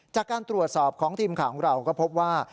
จากการตรวจสอบของทีมข่าวของเราก็พบว่า